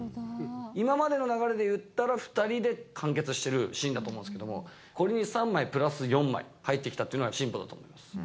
今までの流れでいったら２人で完結してるシーンだと思うんですけれども、これに３枚、プラス４枚入ってきたっていうのは進歩だと思います。